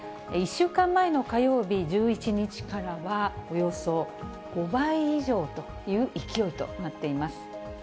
１週間前の火曜日、１１日からはおよそ５倍以上という勢いとなっています。